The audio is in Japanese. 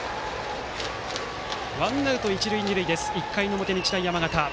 ワンアウト、一塁二塁です１回の表、日大山形。